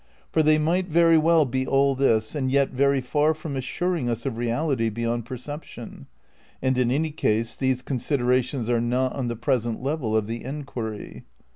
For they might very well be all this and yet very far from assuring us of reality beyond perception, and in any case these considerations are not on the present level of the enquiry.